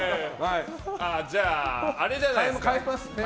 じゃあ、あれじゃないですか。